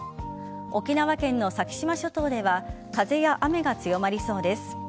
沖縄県の先島諸島では風や雨が強まりそうです。